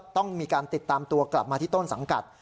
ต้องมีการติดตามตัวกลับมาที่ต้นสังกัด